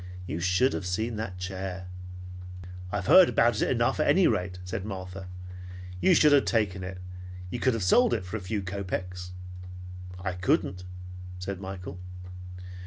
You should have seen that chair." "I've heard about it enough at any rate," said Martha. "You should have taken it. You could have sold it for a few kopeks. "I couldn't," said Michael.